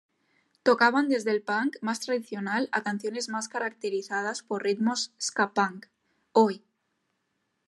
Tocaban desde el punk más tradicional a canciones más caracterizadas por ritmos ska-punk, oi!